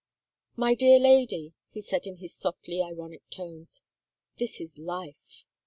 " My dear lady," he said in his softly ironic tones, '* this is Life."